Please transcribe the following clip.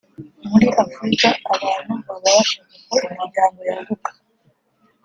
muri Afurika abantu baba bashaka ko imiryango yaguka